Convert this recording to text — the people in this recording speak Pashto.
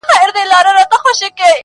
دا ځان کي ورک شې بل وجود ته ساه ورکوي